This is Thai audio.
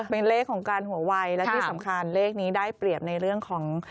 เป็นเลขของการหัววัยและที่สำคัญเลขนี้ได้เปรียบในเรื่องของ